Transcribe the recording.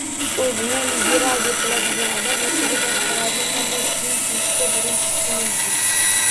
Oʻzini liberal deb biladigan odam ertaga boshqalarning qanday kiyim kiyishiga burun tiqishi mumkin.